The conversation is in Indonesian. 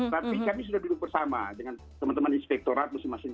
tapi kami sudah duduk bersama dengan teman teman inspektorat masing masing